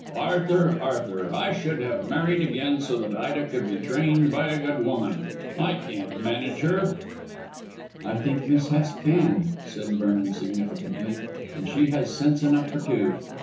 Arthur, Arthur, I should have married again, so that Ida could be trained by a good woman. I can't manage her." "I think Miss Hest can," said Vernon significantly; "and she has sense enough for two.